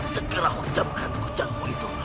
segera hujamkan kucangmu itu